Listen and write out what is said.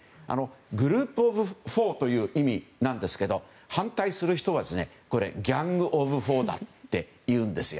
グループオブ４という意味なんですけど反対する人はギャングオブ４だというんですよ。